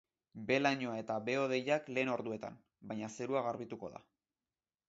Behe lainoa eta behe-hodeiak lehen orduetan, baina zerua garbituko da.